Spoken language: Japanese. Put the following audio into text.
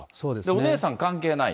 お姉さん関係ない。